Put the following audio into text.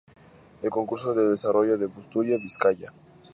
El concurso se desarrolló en Busturia, Vizcaya.